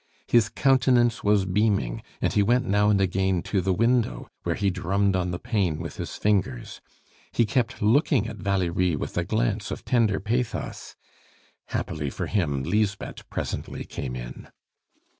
His countenance was beaming, and he went now and again to the window, where he drummed on the pane with his fingers. He kept looking at Valerie with a glance of tender pathos. Happily for him, Lisbeth presently came in.